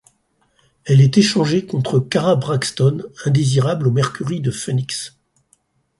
Elle est échangée contre Kara Braxton, indésirable au Mercury de Phoenix.